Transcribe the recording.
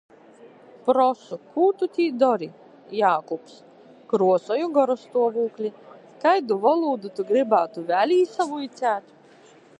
Prosu: "Kū tu tī dori?" Jākubs: "Kruosoju gorastuovūkli!" Kaidu volūdu tu grybātu vēļ īsavuiceit?